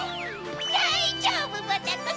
だいじょうぶバタコさん！